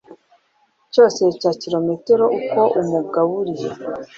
cyose cya milimetero uko umugaburiye